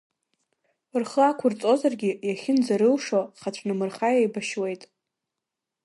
Рхы ақәырҵозаргьы, иахьынӡарылшо, хацәнымырха еибашьуеит…